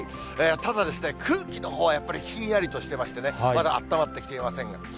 ただ、空気のほうはやっぱりひんやりとしてましてね、まだあったまってきていませんが。